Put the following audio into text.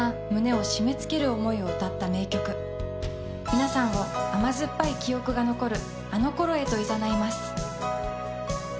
皆さんを甘酸っぱい記憶が残るあの頃へといざないます。